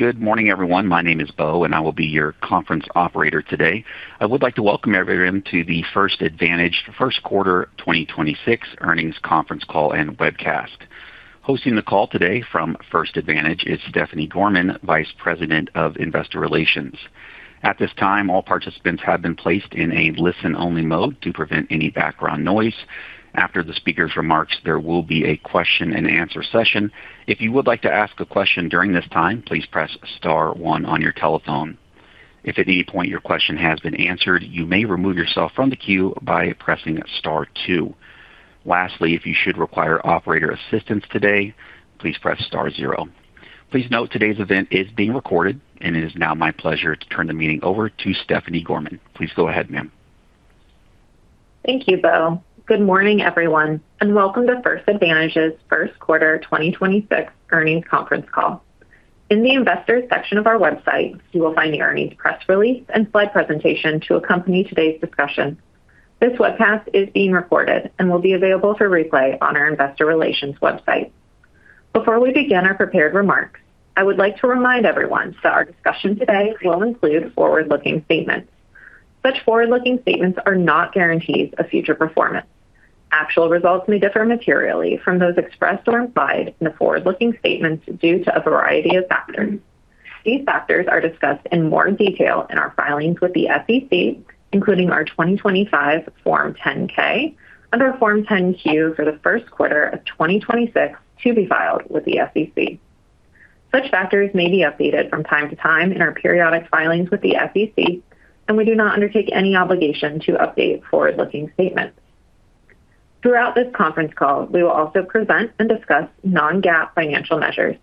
Good morning, everyone. My name is Beau. I will be your conference operator today. I would like to welcome everyone to the First Advantage first quarter 2026 earnings conference call and webcast. Hosting the call today from First Advantage is Stephanie Gorman, Vice President of Investor Relations. At this time, all participants have been placed in a listen-only mode to prevent any background noise. After the speaker's remarks, there will be a question-and-answer session. If you would like to ask a question during this time, please press star one on your telephone. If at any point your question has been answered, you may remove yourself from the queue by pressing star two. Lastly, if you should require operator assistance today, please press star zero. Please note today's event is being recorded. It is now my pleasure to turn the meeting over to Stephanie Gorman. Please go ahead, ma'am. Thank you, Beau. Good morning, everyone, and welcome to First Advantage's first quarter 2026 earnings conference call. In the Investors section of our website, you will find the earnings press release and slide presentation to accompany today's discussion. This webcast is being recorded and will be available for replay on our investor relations website. Before we begin our prepared remarks, I would like to remind everyone that our discussion today will include forward-looking statements. Such forward-looking statements are not guarantees of future performance. Actual results may differ materially from those expressed or implied in the forward-looking statements due to a variety of factors. These factors are discussed in more detail in our filings with the SEC, including our 2025 Form 10-K under Form 10-Q for the first quarter of 2026 to be filed with the SEC. Such factors may be updated from time to time in our periodic filings with the SEC, and we do not undertake any obligation to update forward-looking statements. Throughout this conference call, we will also present and discuss non-GAAP financial measures.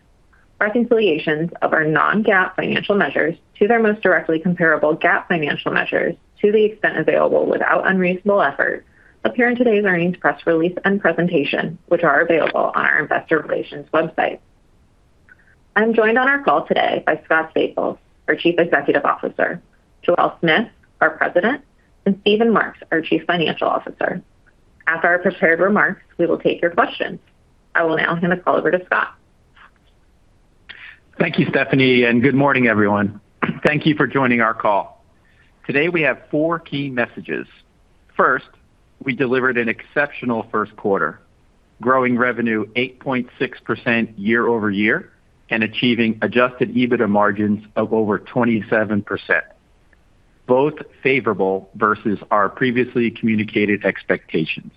Our reconciliations of our non-GAAP financial measures to their most directly comparable GAAP financial measures, to the extent available without unreasonable effort, appear in today's earnings press release and presentation, which are available on our investor relations website. I'm joined on our call today by Scott Staples, our Chief Executive Officer, Joelle Smith, our President, and Steven Marks, our Chief Financial Officer. After our prepared remarks, we will take your questions. I will now hand the call over to Scott. Thank you, Stephanie, and good morning, everyone. Thank you for joining our call. Today we have four key messages. First, we delivered an exceptional first quarter, growing revenue 8.6% year-over-year and achieving adjusted EBITDA margins of over 27%, both favorable versus our previously communicated expectations.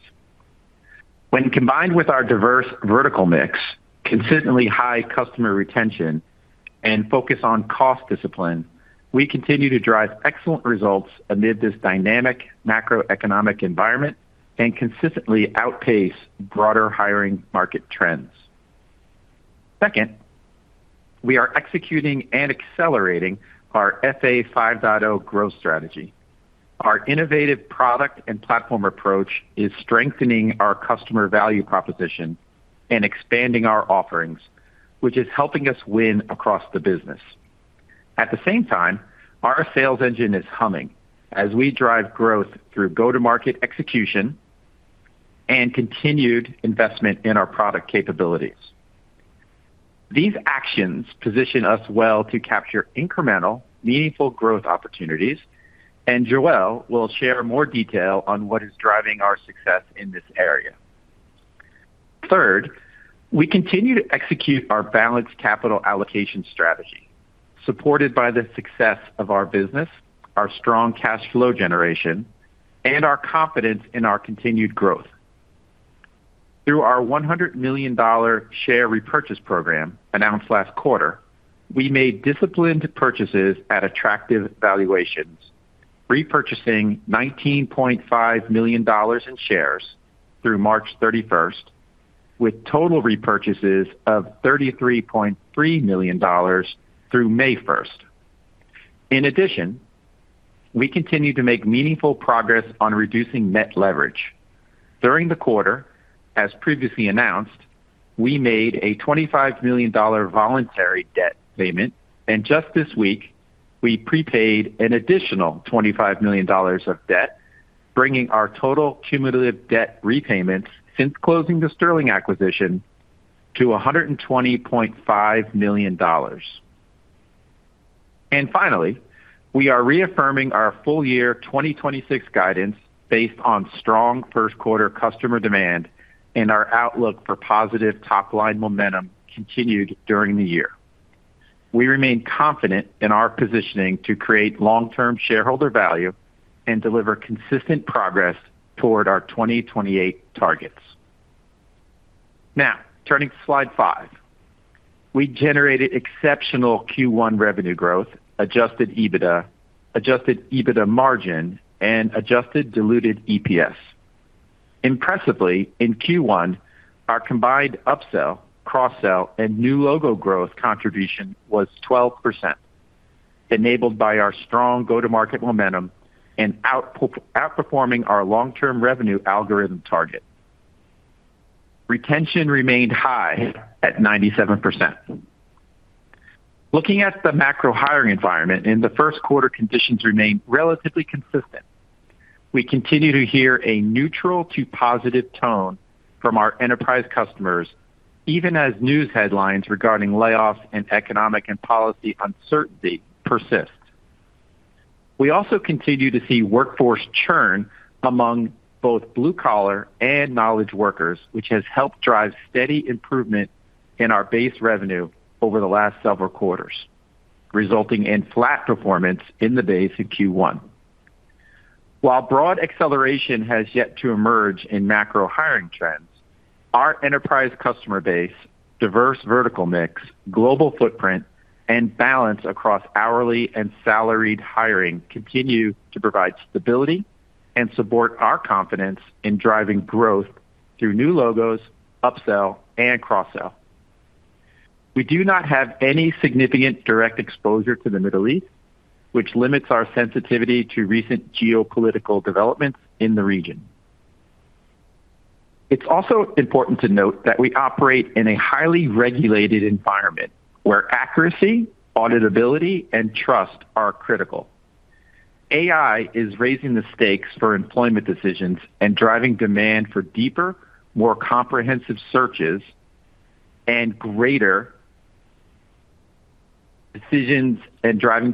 When combined with our diverse vertical mix, consistently high customer retention, and focus on cost discipline, we continue to drive excellent results amid this dynamic macroeconomic environment and consistently outpace broader hiring market trends. Second, we are executing and accelerating our FA 5.0 growth strategy. Our innovative product and platform approach is strengthening our customer value proposition and expanding our offerings, which is helping us win across the business. At the same time, our sales engine is humming as we drive growth through go-to-market execution and continued investment in our product capabilities. These actions position us well to capture incremental, meaningful growth opportunities, and Joelle Smith will share more detail on what is driving our success in this area. Third, we continue to execute our balanced capital allocation strategy, supported by the success of our business, our strong cash flow generation, and our confidence in our continued growth. Through our $100 million share repurchase program announced last quarter, we made disciplined purchases at attractive valuations, repurchasing $19.5 million in shares through March 31st, with total repurchases of $33.3 million through May 1st. In addition, we continue to make meaningful progress on reducing net leverage. During the quarter, as previously announced, we made a $25 million voluntary debt payment. Just this week, we prepaid an additional $25 million of debt, bringing our total cumulative debt repayments since closing the Sterling acquisition to $120.5 million. Finally, we are reaffirming our full year 2026 guidance based on strong first quarter customer demand and our outlook for positive top-line momentum continued during the year. We remain confident in our positioning to create long-term shareholder value and deliver consistent progress toward our 2028 targets. Now, turning to slide five. We generated exceptional Q1 revenue growth, adjusted EBITDA, adjusted EBITDA margin, and adjusted diluted EPS. Impressively, in Q1, our combined upsell, cross-sell, and new logo growth contribution was 12%, enabled by our strong go-to-market momentum and outperforming our long-term revenue algorithm target. Retention remained high at 97%. Looking at the macro hiring environment, in the first quarter, conditions remained relatively consistent. We continue to hear a neutral to positive tone from our enterprise customers, even as news headlines regarding layoffs and economic and policy uncertainty persist. We also continue to see workforce churn among both blue-collar and knowledge workers, which has helped drive steady improvement in our base revenue over the last several quarters, resulting in flat performance in the base in Q1. While broad acceleration has yet to emerge in macro hiring trends, our enterprise customer base, diverse vertical mix, global footprint, and balance across hourly and salaried hiring continue to provide stability and support our confidence in driving growth through new logos, upsell, and cross-sell. We do not have any significant direct exposure to the Middle East, which limits our sensitivity to recent geopolitical developments in the region. It's also important to note that we operate in a highly regulated environment where accuracy, auditability, and trust are critical. AI is raising the stakes for employment decisions and driving demand for deeper, more comprehensive searches and greater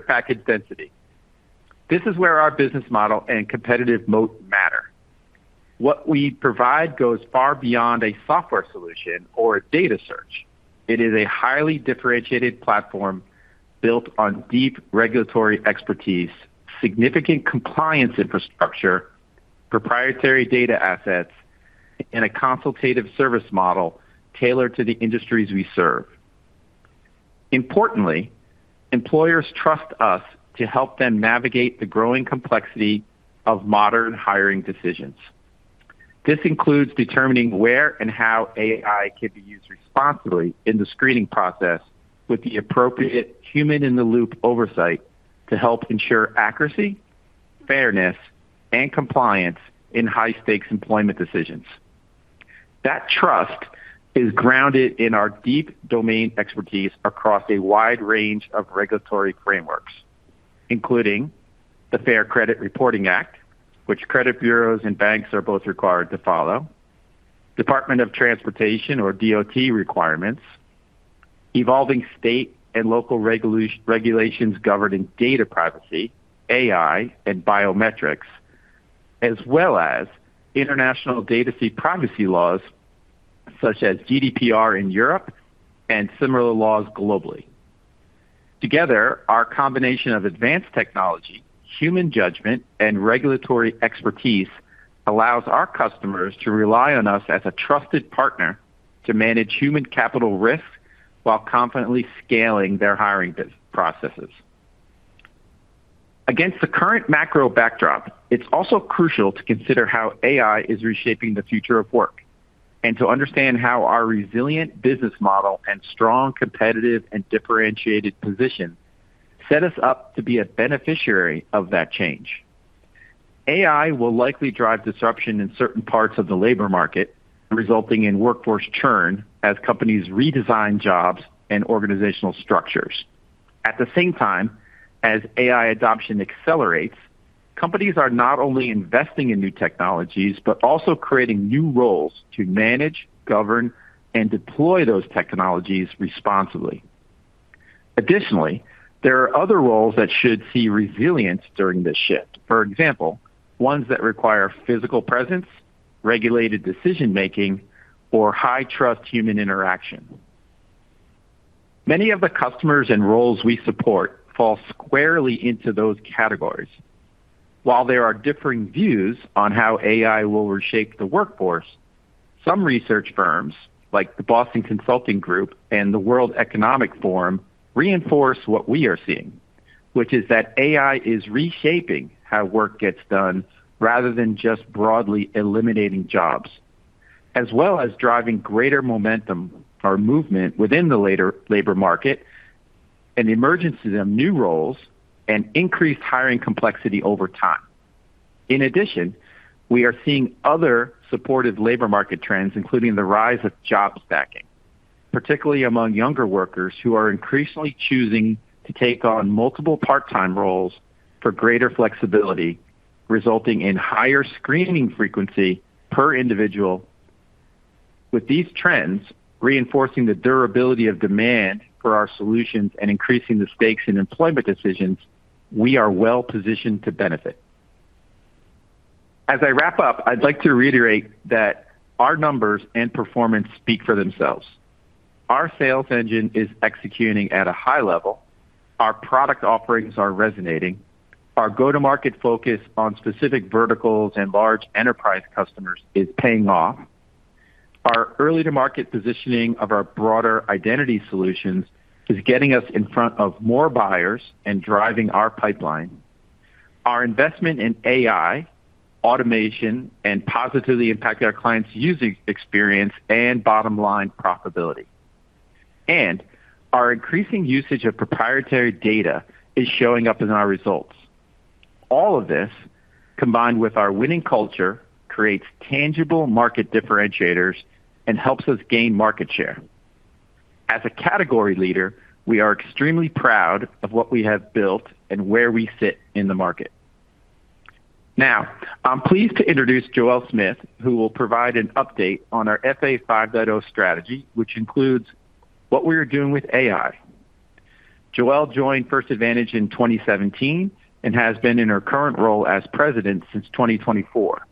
package density. This is where our business model and competitive moat matter. What we provide goes far beyond a software solution or a data search. It is a highly differentiated platform built on deep regulatory expertise, significant compliance infrastructure, proprietary data assets, and a consultative service model tailored to the industries we serve. Importantly, employers trust us to help them navigate the growing complexity of modern hiring decisions. This includes determining where and how AI can be used responsibly in the screening process with the appropriate human-in-the-loop oversight to help ensure accuracy, fairness, and compliance in high-stakes employment decisions. That trust is grounded in our deep domain expertise across a wide range of regulatory frameworks, including the Fair Credit Reporting Act, which credit bureaus and banks are both required to follow, Department of Transportation or DOT requirements, evolving state and local regulations governing data privacy, AI, and biometrics, as well as international data privacy laws such as GDPR in Europe and similar laws globally. Together, our combination of advanced technology, human judgment, and regulatory expertise allows our customers to rely on us as a trusted partner to manage human capital risk while confidently scaling their hiring processes. Against the current macro backdrop, it's also crucial to consider how AI is reshaping the future of work, and to understand how our resilient business model and strong competitive and differentiated position set us up to be a beneficiary of that change. AI will likely drive disruption in certain parts of the labor market, resulting in workforce churn as companies redesign jobs and organizational structures. At the same time, as AI adoption accelerates, companies are not only investing in new technologies but also creating new roles to manage, govern, and deploy those technologies responsibly. Additionally, there are other roles that should see resilience during this shift. For example, ones that require physical presence, regulated decision-making, or high-trust human interaction. Many of the customers and roles we support fall squarely into those categories. While there are differing views on how AI will reshape the workforce, some research firms, like the Boston Consulting Group and the World Economic Forum, reinforce what we are seeing, which is that AI is reshaping how work gets done rather than just broadly eliminating jobs, as well as driving greater momentum or movement within the labor market, an emergence of new roles, and increased hiring complexity over time. In addition, we are seeing other supportive labor market trends, including the rise of job stacking, particularly among younger workers who are increasingly choosing to take on multiple part-time roles for greater flexibility, resulting in higher screening frequency per individual. With these trends reinforcing the durability of demand for our solutions and increasing the stakes in employment decisions, we are well-positioned to benefit. As I wrap up, I'd like to reiterate that our numbers and performance speak for themselves. Our sales engine is executing at a high level. Our product offerings are resonating. Our go-to-market focus on specific verticals and large enterprise customers is paying off. Our early-to-market positioning of our broader identity solutions is getting us in front of more buyers and driving our pipeline. Our investment in AI, automation, and positively impacting our clients' user experience and bottom-line profitability. Our increasing usage of proprietary data is showing up in our results. All of this, combined with our winning culture, creates tangible market differentiators and helps us gain market share. As a category leader, we are extremely proud of what we have built and where we sit in the market. Now, I'm pleased to introduce Joelle Smith, who will provide an update on our FA 5.0 strategy, which includes what we are doing with AI. Joelle joined First Advantage in 2017 and has been in her current role as president since 2024.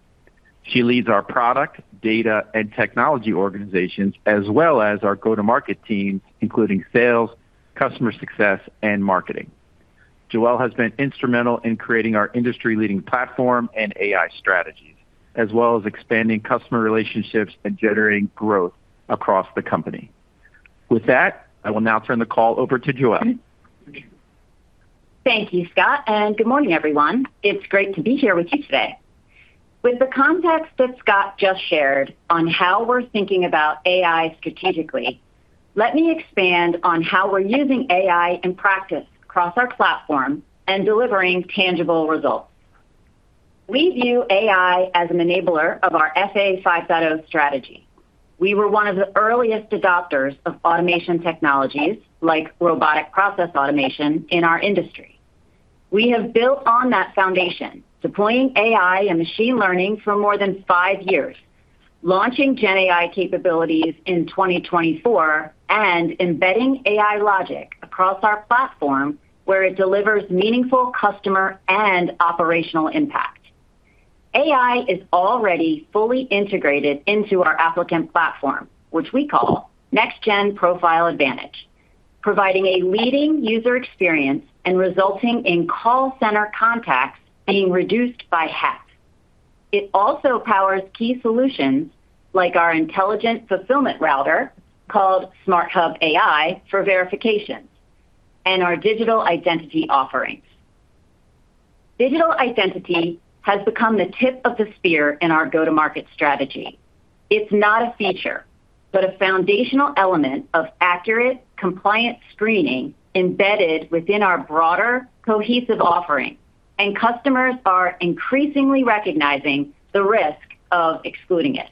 She leads our product, data, and technology organizations, as well as our go-to-market teams, including sales, customer success, and marketing. Joelle has been instrumental in creating our industry-leading platform and AI strategies, as well as expanding customer relationships and generating growth across the company. With that, I will now turn the call over to Joelle. Thank you, Scott, and good morning, everyone. It's great to be here with you today. With the context that Scott just shared on how we're thinking about AI strategically, let me expand on how we're using AI in practice across our platform and delivering tangible results. We view AI as an enabler of our FA 5.0 strategy. We were one of the earliest adopters of automation technologies like robotic process automation in our industry. We have built on that foundation, deploying AI and machine learning for more than five years, launching GenAI capabilities in 2024 and embedding AI logic across our platform where it delivers meaningful customer and operational impact. AI is already fully integrated into our applicant platform, which we call NextGen Profile Advantage, providing a leading user experience and resulting in call center contacts being reduced by half. It also powers key solutions like our intelligent fulfillment router, called Smart Hub AI for verification, and our digital identity offerings. Digital identity has become the tip of the spear in our go-to-market strategy. It's not a feature, but a foundational element of accurate compliant screening embedded within our broader cohesive offering. Customers are increasingly recognizing the risk of excluding it.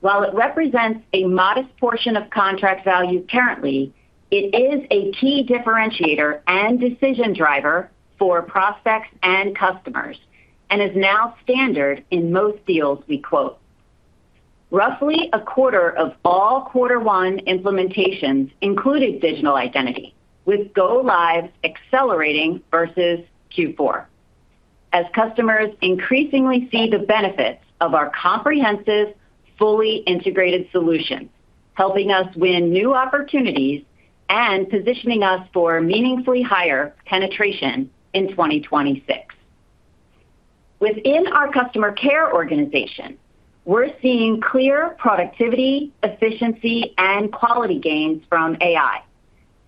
While it represents a modest portion of contract value currently, it is a key differentiator and decision driver for prospects and customers and is now standard in most deals we quote. Roughly a quarter of all Q1 implementations included digital identity, with go-lives accelerating versus Q4. As customers increasingly see the benefits of our comprehensive, fully integrated solution, helping us win new opportunities and positioning us for meaningfully higher penetration in 2026. Within our customer care organization, we're seeing clear productivity, efficiency, and quality gains from AI.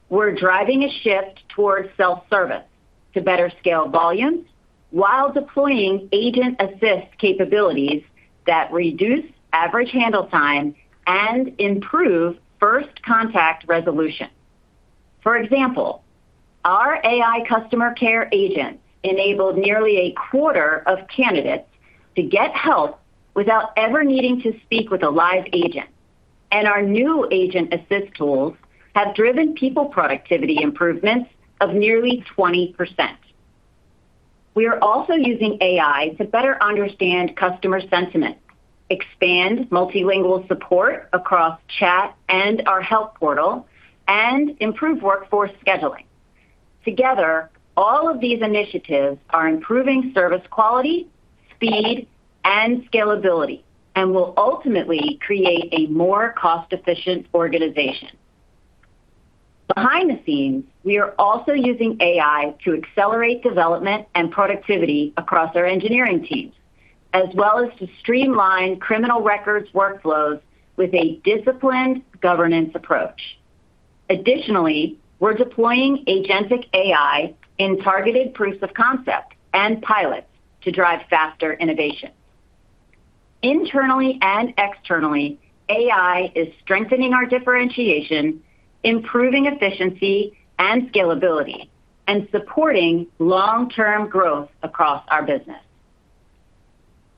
We're driving a shift towards self-service to better scale volumes while deploying agent assist capabilities that reduce average handle time and improve first contact resolution. For example, our AI customer care agent enabled nearly 1/4 of candidates to get help without ever needing to speak with a live agent, and our new agent assist tools have driven people productivity improvements of nearly 20%. We are also using AI to better understand customer sentiment, expand multilingual support across chat and our help portal, and improve workforce scheduling. Together, all of these initiatives are improving service quality, speed, and scalability and will ultimately create a more cost-efficient organization. Behind the scenes, we are also using AI to accelerate development and productivity across our engineering teams, as well as to streamline criminal records workflows with a disciplined governance approach. Additionally, we're deploying agentic AI in targeted proofs of concept and pilots to drive faster innovation. Internally and externally, AI is strengthening our differentiation, improving efficiency and scalability, and supporting long-term growth across our business.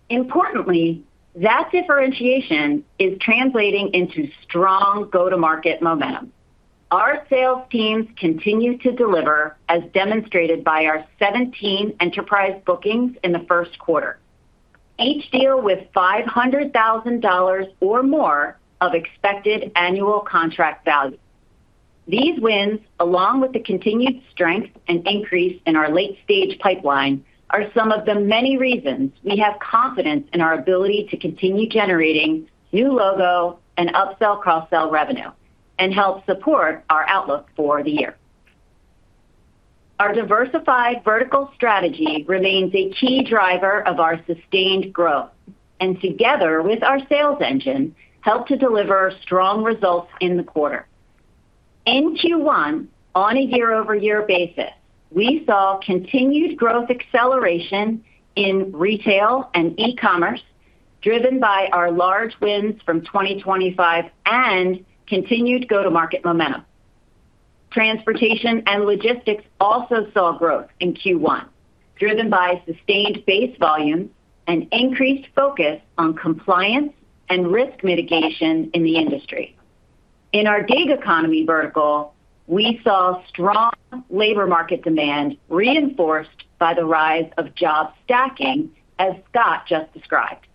Importantly, that differentiation is translating into strong go-to-market momentum. Our sales teams continue to deliver, as demonstrated by our 17 enterprise bookings in the first quarter, each deal with $500,000 or more of expected annual contract value. These wins, along with the continued strength and increase in our late-stage pipeline, are some of the many reasons we have confidence in our ability to continue generating new logo and upsell cross-sell revenue and help support our outlook for the year. Our diversified vertical strategy remains a key driver of our sustained growth, and together with our sales engine, helped to deliver strong results in the quarter. In Q1, on a year-over-year basis, we saw continued growth acceleration in retail and e-commerce, driven by our large wins from 2025 and continued go-to-market momentum. Transportation and logistics also saw growth in Q1, driven by sustained base volume and increased focus on compliance and risk mitigation in the industry. In our gig economy vertical, we saw strong labor market demand reinforced by the rise of job stacking, as Scott just described.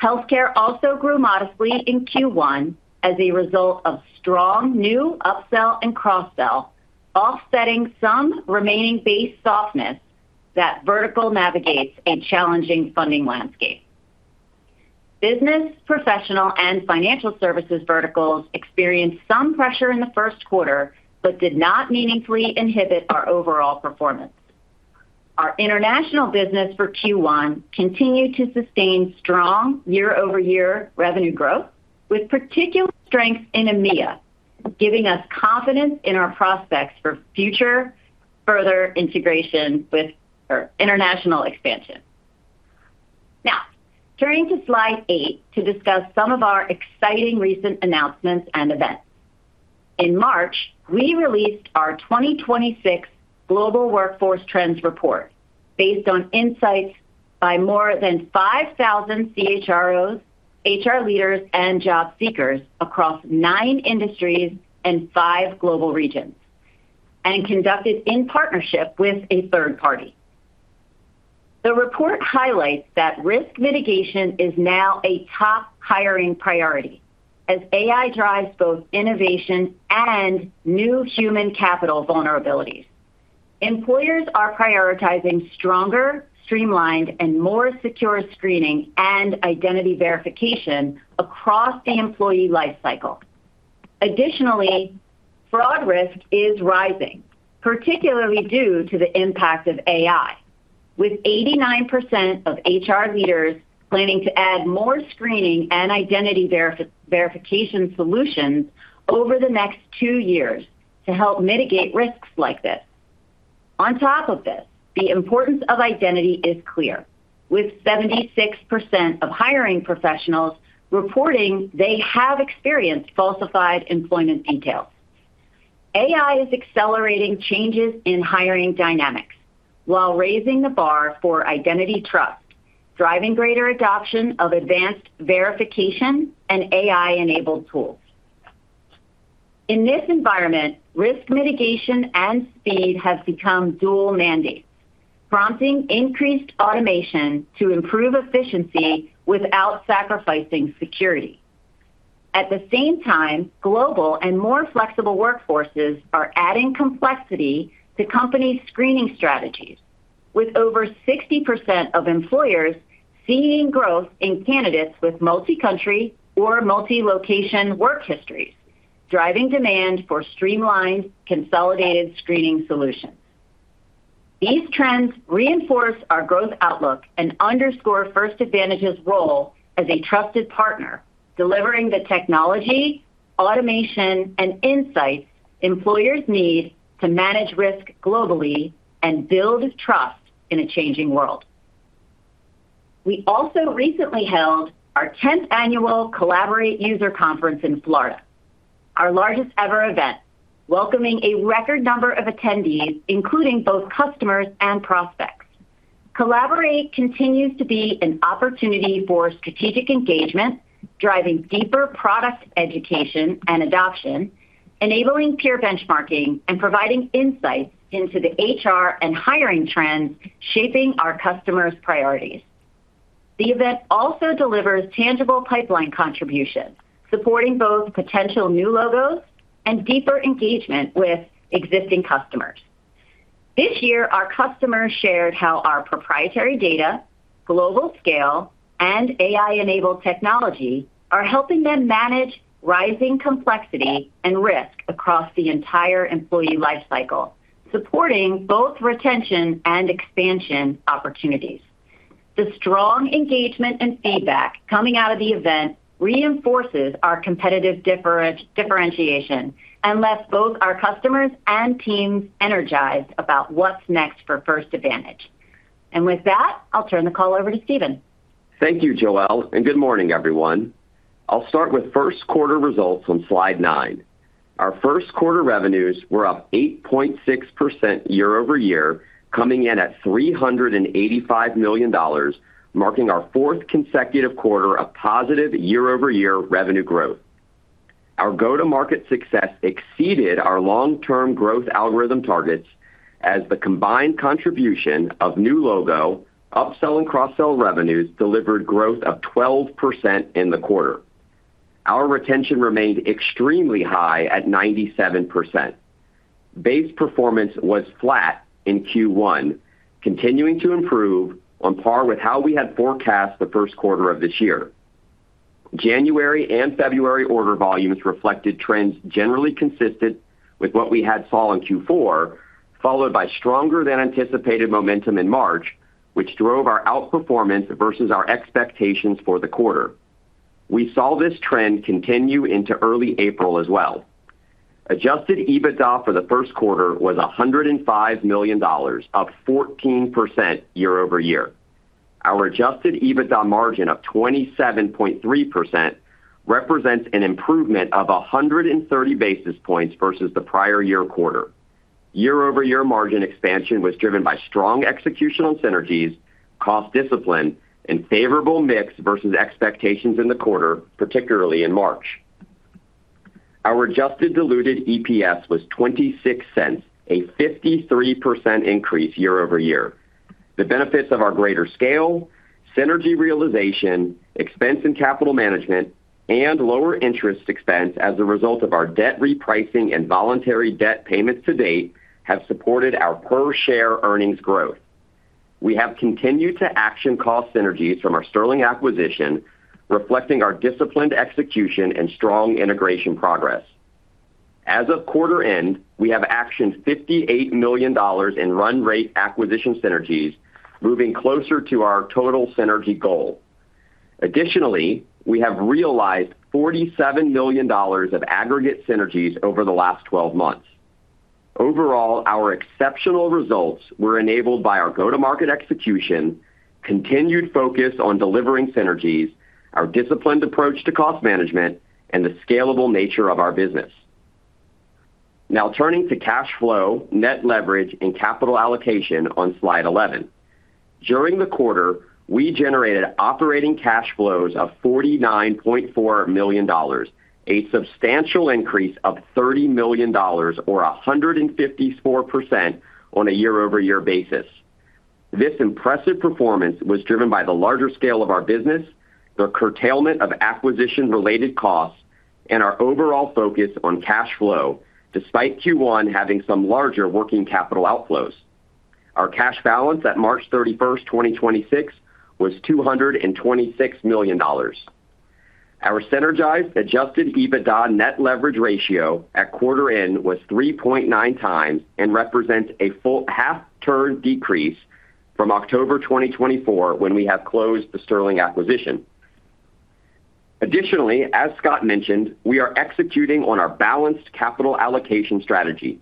Healthcare also grew modestly in Q1 as a result of strong new upsell and cross-sell, offsetting some remaining base softness that vertical navigates a challenging funding landscape. Business, professional, and financial services verticals experienced some pressure in the first quarter but did not meaningfully inhibit our overall performance. Our international business for Q1 continued to sustain strong year-over-year revenue growth, with particular strength in EMEA, giving us confidence in our prospects for future further integration with our international expansion. Turning to slide eight to discuss some of our exciting recent announcements and events. In March, we released our 2026 Global Workforce Trends report based on insights by more than 5,000 CHROs, HR leaders, and job seekers across nine industries and five global regions, and conducted in partnership with a third party. The report highlights that risk mitigation is now a top hiring priority as AI drives both innovation and new human capital vulnerabilities. Employers are prioritizing stronger, streamlined, and more secure screening and identity verification across the employee life cycle. Fraud risk is rising, particularly due to the impact of AI, with 89% of HR leaders planning to add more screening and identity verification solutions over the next two years to help mitigate risks like this. On top of this, the importance of identity is clear, with 76% of hiring professionals reporting they have experienced falsified employment details. AI is accelerating changes in hiring dynamics while raising the bar for identity trust, driving greater adoption of advanced verification and AI-enabled tools. In this environment, risk mitigation and speed have become dual mandates, prompting increased automation to improve efficiency without sacrificing security. At the same time, global and more flexible workforces are adding complexity to companies' screening strategies, with over 60% of employers seeing growth in candidates with multi-country or multi-location work histories, driving demand for streamlined, consolidated screening solutions. These trends reinforce our growth outlook and underscore First Advantage's role as a trusted partner, delivering the technology, automation, and insights employers need to manage risk globally and build Trust in a Changing World. We also recently held our 10th annual Collaborate user conference in Florida, our largest ever event, welcoming a record number of attendees, including both customers and prospects. Collaborate continues to be an opportunity for strategic engagement, driving deeper product education and adoption, enabling peer benchmarking, and providing insights into the HR and hiring trends shaping our customers' priorities. The event also delivers tangible pipeline contributions, supporting both potential new logos and deeper engagement with existing customers. This year, our customers shared how our proprietary data, global scale, and AI-enabled technology are helping them manage rising complexity and risk across the entire employee life cycle, supporting both retention and expansion opportunities. The strong engagement and feedback coming out of the event reinforces our competitive differentiation and left both our customers and teams energized about what's next for First Advantage. With that, I'll turn the call over to Steven. Thank you, Joelle. Good morning, everyone. I'll start with first quarter results on slide nine. Our first quarter revenues were up 8.6% year-over-year, coming in at $385 million, marking our 4th consecutive quarter of positive year-over-year revenue growth. Our go-to-market success exceeded our long-term growth algorithm targets as the combined contribution of new logo, upsell, and cross-sell revenues delivered growth of 12% in the quarter. Our retention remained extremely high at 97%. Base performance was flat in Q1, continuing to improve on par with how we had forecast the first quarter of this year. January and February order volumes reflected trends generally consistent with what we had saw in Q4, followed by stronger than anticipated momentum in March, which drove our outperformance versus our expectations for the quarter. We saw this trend continue into early April as well. Adjusted EBITDA for the first quarter was $105 million, up 14% year-over-year. Our adjusted EBITDA margin of 27.3% represents an improvement of 130 basis points versus the prior year quarter. Year-over-year margin expansion was driven by strong executional synergies, cost discipline, and favorable mix versus expectations in the quarter, particularly in March. Our adjusted diluted EPS was $0.26, a 53% increase year-over-year. The benefits of our greater scale, synergy realization, expense and capital management, and lower interest expense as a result of our debt repricing and voluntary debt payments to date have supported our per-share earnings growth. We have continued to action cost synergies from our Sterling acquisition, reflecting our disciplined execution and strong integration progress. As of quarter end, we have actioned $58 million in run rate acquisition synergies, moving closer to our total synergy goal. Additionally, we have realized $47 million of aggregate synergies over the last 12 months. Overall, our exceptional results were enabled by our go-to-market execution, continued focus on delivering synergies, our disciplined approach to cost management, and the scalable nature of our business. Now turning to cash flow, net leverage, and capital allocation on slide 11. During the quarter, we generated operating cash flows of $49.4 million, a substantial increase of $30 million or 154% on a year-over-year basis. This impressive performance was driven by the larger scale of our business, the curtailment of acquisition-related costs, and our overall focus on cash flow despite Q1 having some larger working capital outflows. Our cash balance at March 31st, 2026 was $226 million. Our synergized adjusted EBITDA net leverage ratio at quarter end was 3.9x and represents a full half-turn decrease from October 2024, when we have closed the Sterling acquisition. As Scott mentioned, we are executing on our balanced capital allocation strategy.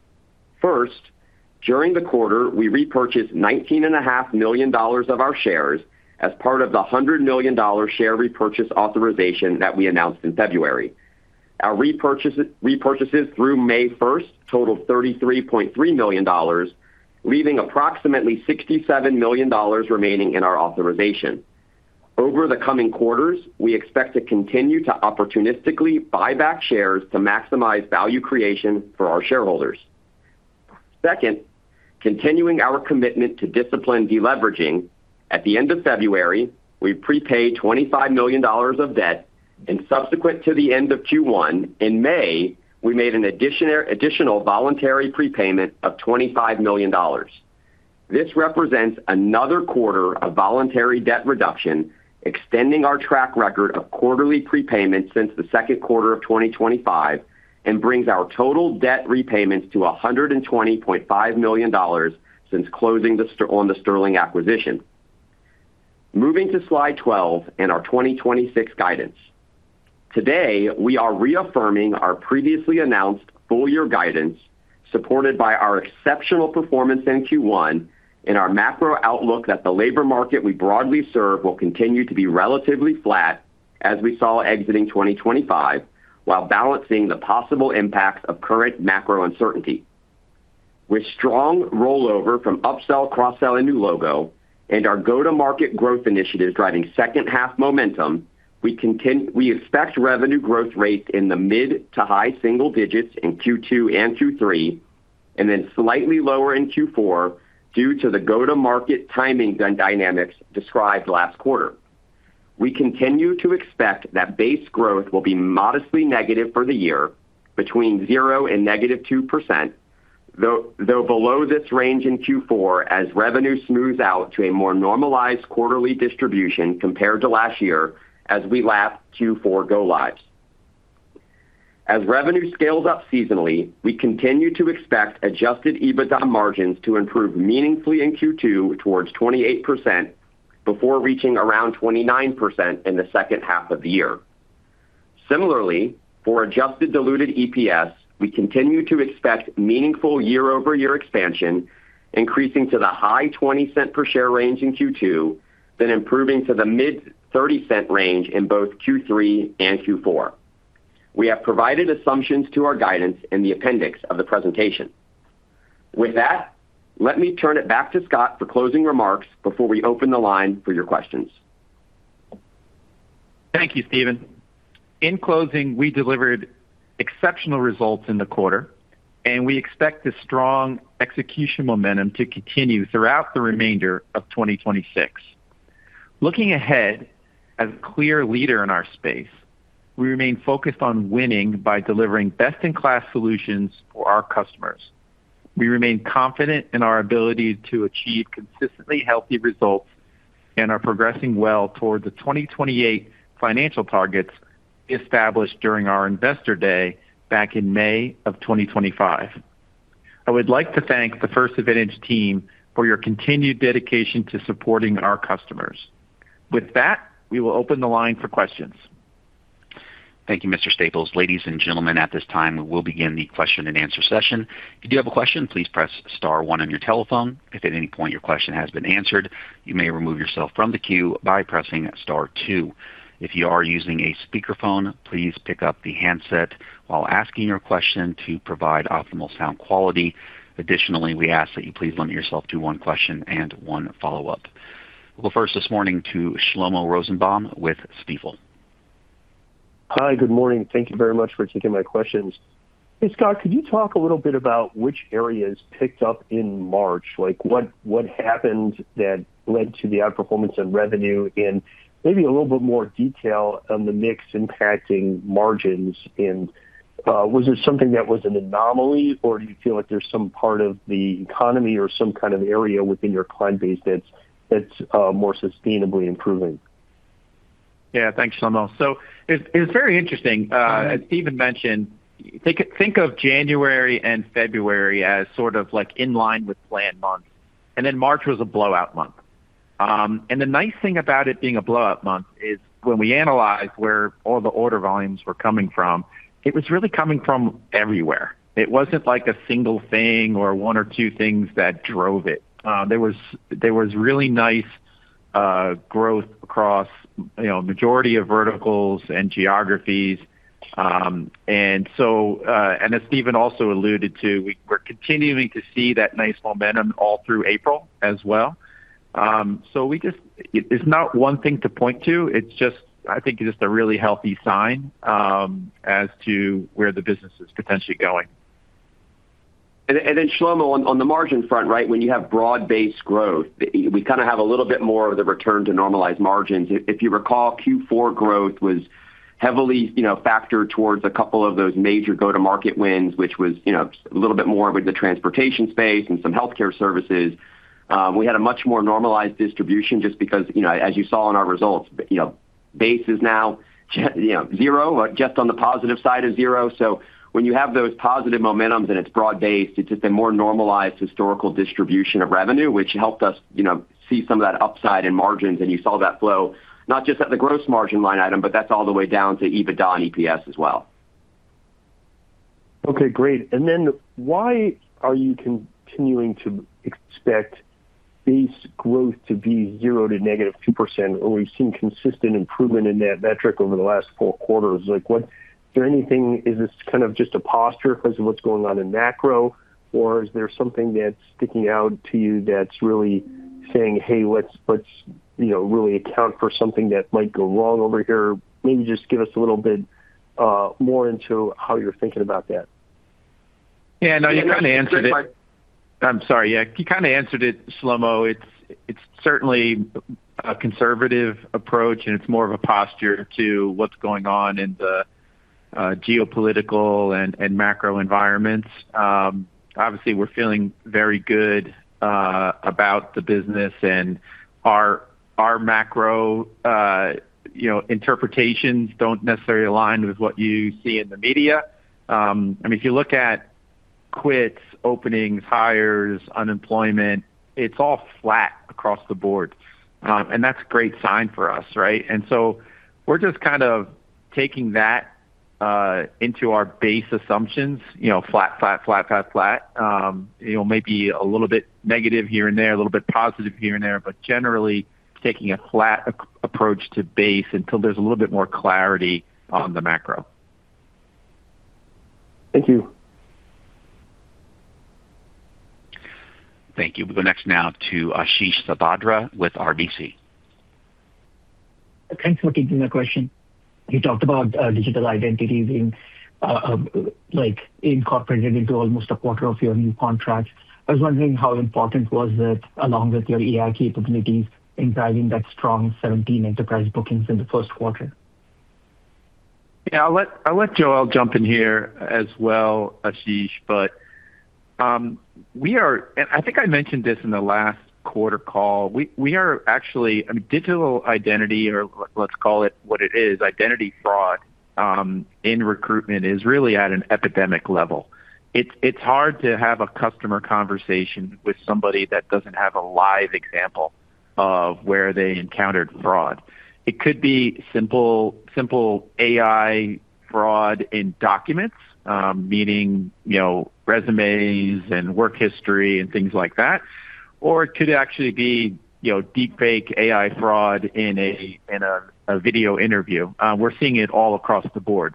During the quarter, we repurchased $19.5 million of our shares as part of the $100 million share repurchase authorization that we announced in February. Our repurchases through May 1st totaled $33.3 million, leaving approximately $67 million remaining in our authorization. Over the coming quarters, we expect to continue to opportunistically buy back shares to maximize value creation for our shareholders. Continuing our commitment to disciplined deleveraging, at the end of February, we prepaid $25 million of debt, and subsequent to the end of Q1, in May, we made an additional voluntary prepayment of $25 million. This represents another quarter of voluntary debt reduction, extending our track record of quarterly prepayment since the second quarter of 2025, and brings our total debt repayments to $120.5 million since closing on the Sterling acquisition. Moving to slide 12 and our 2026 guidance. Today, we are reaffirming our previously announced full-year guidance, supported by our exceptional performance in Q1 and our macro outlook that the labor market we broadly serve will continue to be relatively flat as we saw exiting 2025, while balancing the possible impacts of current macro uncertainty. With strong rollover from upsell, cross-sell, and new logo and our go-to-market growth initiatives driving second half momentum, we expect revenue growth rates in the mid to high single digits in Q2 and Q3, and then slightly lower in Q4 due to the go-to-market timing dynamics described last quarter. We continue to expect that base growth will be modestly negative for the year, between 0% and -2%, though below this range in Q4 as revenue smooths out to a more normalized quarterly distribution compared to last year as we lap Q4 go lives. As revenue scales up seasonally, we continue to expect adjusted EBITDA margins to improve meaningfully in Q2 towards 28% before reaching around 29% in the second half of the year. Similarly, for adjusted diluted EPS, we continue to expect meaningful year-over-year expansion, increasing to the high $0.20 per share range in Q2, then improving to the mid $0.30 range in both Q3 and Q4. We have provided assumptions to our guidance in the appendix of the presentation. With that, let me turn it back to Scott for closing remarks before we open the line for your questions. Thank you, Steven. In closing, we delivered exceptional results in the quarter, and we expect the strong execution momentum to continue throughout the remainder of 2026. Looking ahead, as a clear leader in our space, we remain focused on winning by delivering best-in-class solutions for our customers. We remain confident in our ability to achieve consistently healthy results and are progressing well toward the 2028 financial targets established during our investor day back in May of 2025. I would like to thank the First Advantage team for your continued dedication to supporting our customers. With that, we will open the line for questions. Thank you, Mr. Staples. Ladies and gentlemen, at this time, we will begin the question and answer session. If you do have a question, please press star one on your telephone. If at any point your question has been answered, you may remove yourself from the queue by pressing star two. If you are using a speakerphone, please pick up the handset while asking your question to provide optimal sound quality. Additionally, we ask that you please limit yourself to one question and one follow-up. We'll go first this morning to Shlomo Rosenbaum with Stifel. Hi. Good morning. Thank you very much for taking my questions. Hey, Scott, could you talk a little bit about which areas picked up in March? Like, what happened that led to the outperformance in revenue? Maybe a little bit more detail on the mix impacting margins. Was it something that was an anomaly or do you feel like there's some part of the economy or some kind of area within your client base that's more sustainably improving? Yeah. Thanks, Shlomo. It's very interesting. Go ahead. As Steven mentioned, think of January and February as sort of like in line with planned months, March was a blowout month. The nice thing about it being a blowout month is when we analyze where all the order volumes were coming from, it was really coming from everywhere. It wasn't like a single thing or one or two things that drove it. There was really nice growth across, you know, majority of verticals and geographies. So, as Steven also alluded to, we're continuing to see that nice momentum all through April as well. It's not one thing to point to, it's just, I think, a really healthy sign as to where the business is potentially going. Shlomo, on the margin front, right, when you have broad-based growth, we kinda have a little bit more of the return to normalized margins. If you recall, Q4 growth was heavily, you know, factored towards a couple of those major go-to-market wins, which was, you know, a little bit more with the transportation space and some healthcare services. We had a much more normalized distribution just because, you know, as you saw in our results, you know, base is now, you know, zero, just on the positive side of zero. When you have those positive momentums and it's broad-based, it's just a more normalized historical distribution of revenue, which helped us, you know, see some of that upside in margins. You saw that flow, not just at the gross margin line item, but that's all the way down to EBITDA and EPS as well. Okay. Great. Why are you continuing to expect base growth to be 0% to -2% when we've seen consistent improvement in that metric over the last four quarters? Like, is there anything? Is this kind of just a posture 'cause of what's going on in macro, or is there something that's sticking out to you that's really saying, "Hey, let's, you know, really account for something that might go wrong over here"? Maybe just give us a little bit more into how you're thinking about that. Yeah. No, you kinda answered it. I'm sorry. Yeah, you kinda answered it, Shlomo. It's certainly a conservative approach, and it's more of a posture to what's going on in the geopolitical and macro environments. Obviously we're feeling very good about the business and our macro, you know, interpretations don't necessarily align with what you see in the media. I mean, if you look at quits, openings, hires, unemployment, it's all flat across the board. That's a great sign for us, right? We're just kind of taking that into our base assumptions, you know, flat, flat, flat. You know, maybe a little bit negative here and there, a little bit positive here and there, but generally taking a flat approach to base until there's a little bit more clarity on the macro. Thank you. Thank you. We'll go next now to Ashish Sabadra with RBC. Thanks for taking my question. You talked about digital identities in like incorporated into almost a quarter of your new contracts. I was wondering how important was that along with your AI capabilities in driving that strong 17 enterprise bookings in the first quarter? I'll let Joelle jump in here as well, Ashish. I think I mentioned this in the last quarter call. We are actually I mean, digital identity, or let's call it what it is, identity fraud, in recruitment is really at an epidemic level. It's hard to have a customer conversation with somebody that doesn't have a live example of where they encountered fraud. It could be simple AI fraud in documents, meaning, you know, resumes and work history and things like that, or it could actually be, you know, deep fake AI fraud in a video interview. We're seeing it all across the board.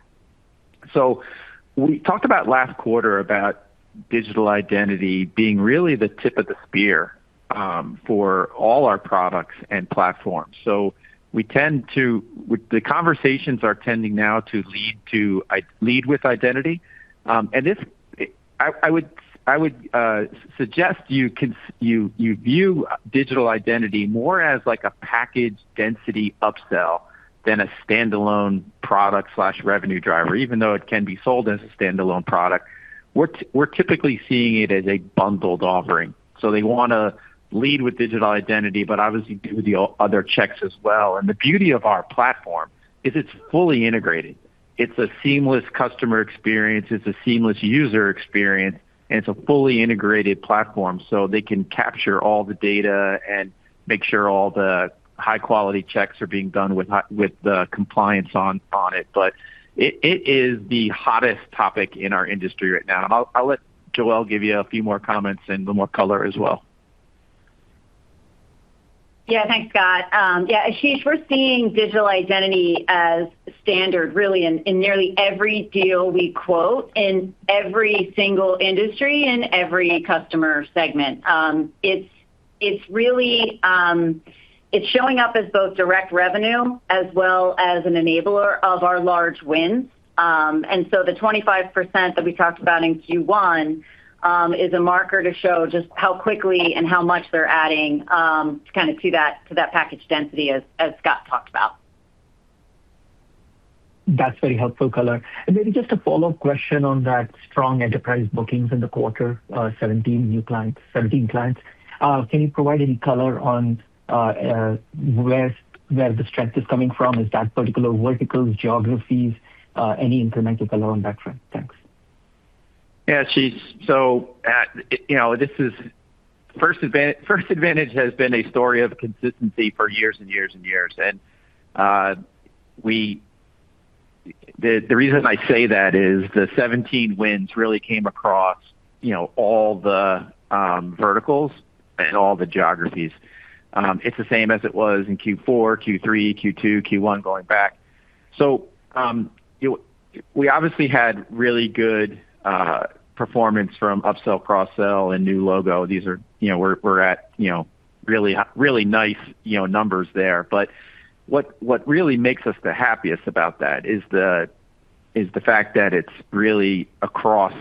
We talked about last quarter about digital identity being really the tip of the spear for all our products and platforms. The conversations are tending now to lead with identity. And this I would suggest you view digital identity more as like a package density upsell than a standalone product/revenue driver, even though it can be sold as a standalone product. We're typically seeing it as a bundled offering, they wanna lead with digital identity, but obviously do the other checks as well. The beauty of our platform is it's fully integrated. It's a seamless customer experience, it's a seamless user experience, and it's a fully integrated platform, they can capture all the data and make sure all the high quality checks are being done with the compliance on it. It is the hottest topic in our industry right now. I'll let Joelle give you a few more comments and a little more color as well. Thanks, Scott. Ashish, we're seeing digital identity as standard really in nearly every deal we quote in every single industry and every customer segment. It's really showing up as both direct revenue as well as an enabler of our large wins. The 25% that we talked about in Q1 is a marker to show just how quickly and how much they're adding to that package density as Scott talked about. That's very helpful color. Maybe just a follow-up question on that strong enterprise bookings in the quarter, 17 new clients. Can you provide any color on where the strength is coming from? Is that particular verticals, geographies? Any incremental color on that front? Thanks. Yeah, Ashish. At, you know, this is First Advantage has been a story of consistency for years and years and years. The reason I say that is the 17 wins really came across, you know, all the verticals and all the geographies. It's the same as it was in Q4, Q3, Q2, Q1 going back. We obviously had really good performance from upsell, cross-sell and new logo. These are we're at, you know, really nice, you know, numbers there. What really makes us the happiest about that is the fact that it's really across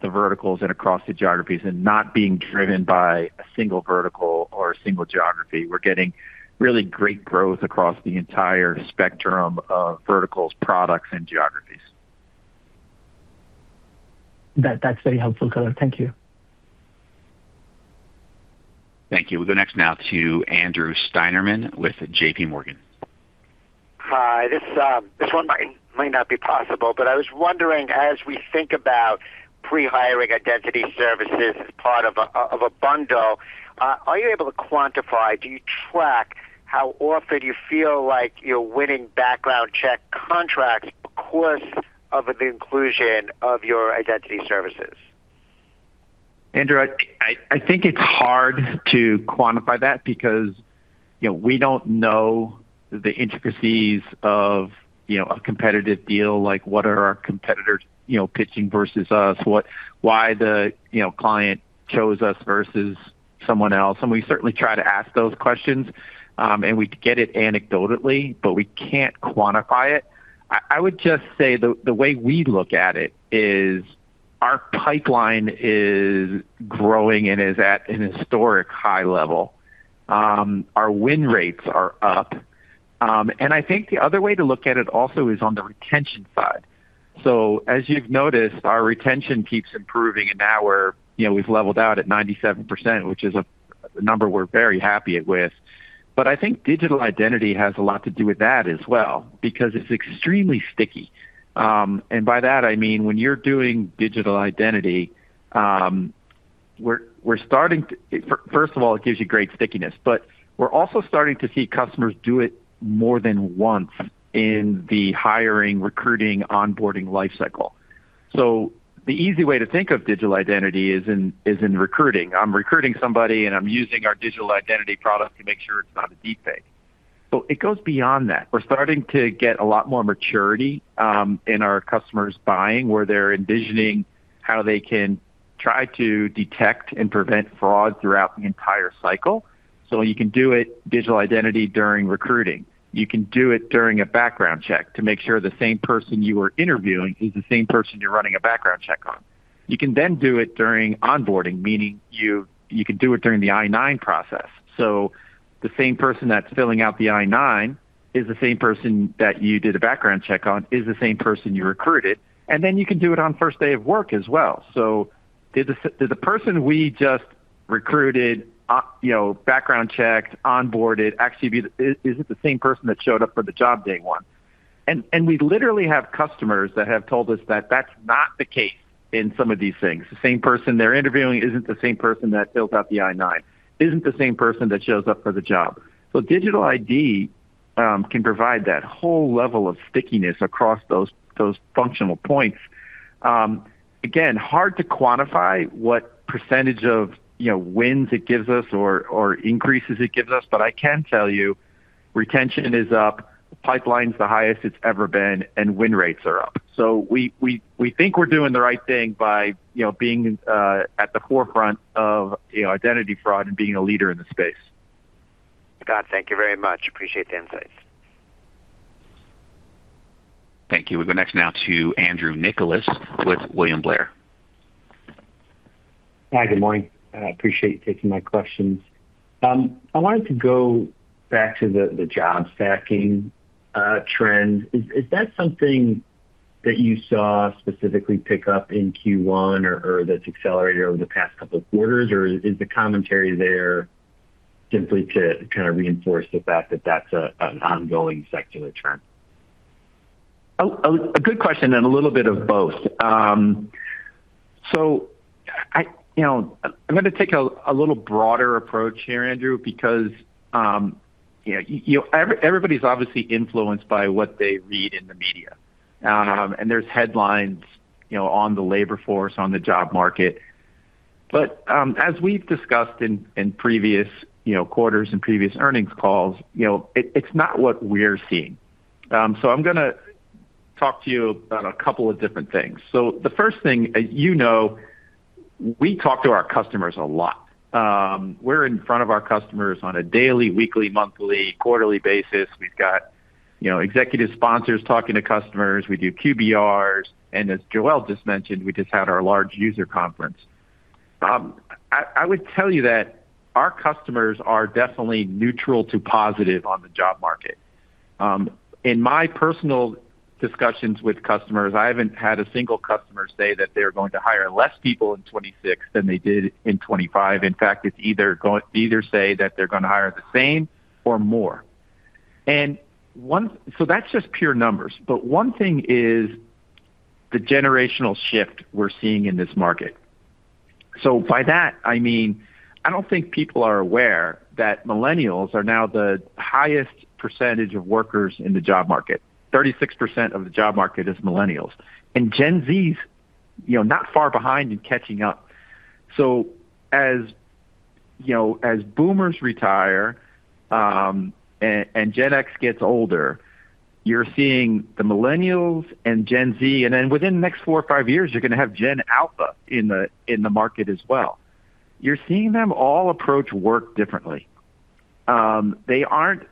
the verticals and across the geographies, and not being driven by a single vertical or a single geography. We're getting really great growth across the entire spectrum of verticals, products, and geographies. That's very helpful color. Thank you. Thank you. We'll go next now to Andrew Steinerman with JPMorgan. Hi. This, this one might not be possible, but I was wondering, as we think about pre-hiring identity services as part of a bundle, are you able to quantify, do you track how often you feel like you're winning background check contracts because of the inclusion of your identity services? Andrew, I think it's hard to quantify that because, you know, we don't know the intricacies of, you know, a competitive deal, like what are our competitors, you know, pitching versus us, what why the, you know, client chose us versus someone else. We certainly try to ask those questions, and we could get it anecdotally, but we can't quantify it. I would just say the way we look at it is our pipeline is growing and is at an historic high level. Our win rates are up. I think the other way to look at it also is on the retention side. As you've noticed, our retention keeps improving, and now we're you know, we've leveled out at 97%, which is a number we're very happy it with. I think digital identity has a lot to do with that as well because it's extremely sticky. By that I mean when you're doing digital identity, First of all, it gives you great stickiness. We're also starting to see customers do it more than once in the hiring, recruiting, onboarding life cycle. The easy way to think of digital identity is in recruiting. I'm recruiting somebody, and I'm using our digital identity product to make sure it's not a deep fake. It goes beyond that. We're starting to get a lot more maturity in our customers buying, where they're envisioning how they can try to detect and prevent fraud throughout the entire cycle. You can do it, digital identity, during recruiting. You can do it during a background check to make sure the same person you are interviewing is the same person you're running a background check on. You can do it during onboarding, meaning you can do it during the I-9 process. The same person that's filling out the I-9 is the same person that you did a background check on, is the same person you recruited, and then you can do it on first day of work as well. Did the person we just recruited, you know, background checked, onboarded, actually be the Is it the same person that showed up for the job day one? We literally have customers that have told us that that's not the case in some of these things. The same person they're interviewing isn't the same person that filled out the I-9, isn't the same person that shows up for the job. Digital ID can provide that whole level of stickiness across those functional points. Again, hard to quantify what percentage of, you know, wins it gives us or increases it gives us. I can tell you retention is up, pipeline's the highest it's ever been, and win rates are up. We think we're doing the right thing by, you know, being at the forefront of, you know, identity fraud and being a leader in the space. Scott, thank you very much. Appreciate the insights. Thank you. We'll go next now to Andrew Nicholas with William Blair. Hi. Good morning. appreciate you taking my questions. I wanted to go back to the job stacking trend. Is that something that you saw specifically pick up in Q1 or that's accelerated over the past couple of quarters, or is the commentary there? Simply to kind of reinforce the fact that that's an ongoing secular trend. A good question and a little bit of both. I, you know, I'm gonna take a little broader approach here, Andrew, because, you know, everybody's obviously influenced by what they read in the media. There's headlines, you know, on the labor force, on the job market. As we've discussed in previous, you know, quarters and previous earnings calls, you know, it's not what we're seeing. I'm gonna talk to you about a couple of different things. The first thing, you know, we talk to our customers a lot. We're in front of our customers on a daily, weekly, monthly, quarterly basis. We've got, you know, executive sponsors talking to customers. We do QBRs, and as Joelle just mentioned, we just had our large user conference. I would tell you that our customers are definitely neutral to positive on the job market. In my personal discussions with customers, I haven't had a single customer say that they're going to hire less people in 2026 than they did in 2025. In fact, it's either they either say that they're gonna hire the same or more. One So that's just pure numbers. One thing is the generational shift we're seeing in this market. By that I mean, I don't think people are aware that millennials are now the highest percentage of workers in the job market. 36% of the job market is millennials, Gen Zs, you know, not far behind and catching up. As, you know, as boomers retire, and Gen X gets older, you're seeing the millennials and Gen Z, within the next four or five years you're gonna have Gen Alpha in the market as well. You're seeing them all approach work differently. They aren't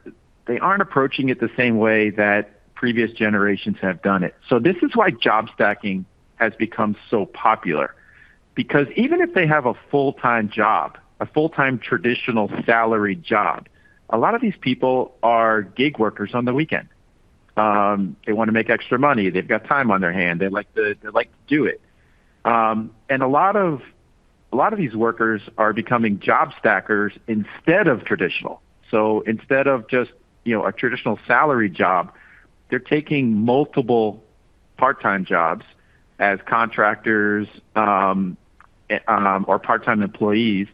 approaching it the same way that previous generations have done it. This is why job stacking has become so popular. Because even if they have a full-time job, a full-time traditional salaried job, a lot of these people are gig workers on the weekend. They wanna make extra money. They've got time on their hand. They'd like to do it. A lot of these workers are becoming job stackers instead of traditional. Instead of just, you know, a traditional salary job, they're taking multiple part-time jobs as contractors or part-time employees.